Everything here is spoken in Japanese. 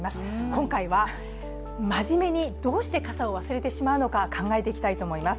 今回は真面目にどうして傘を忘れてしまうのか考えていきたいと思います。